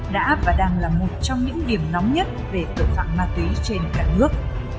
đã và đang là một trong những điểm nóng nhất về tội phạm ma túy trên cả nước